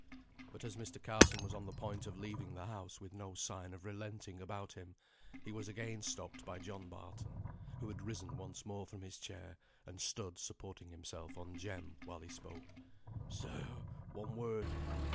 But as Mr. Carson was on the point of leaving the house with no sign of relenting about him, he was again stopped by John Barton, who had risen once more from his chair, and stood supporting himself on Jem, while he spoke. "Sir, one word!